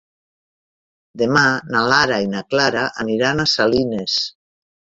Demà na Lara i na Clara aniran a Salines.